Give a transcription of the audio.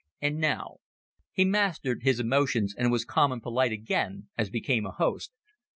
"And now " He mastered his emotions and was calm and polite again, as became a host.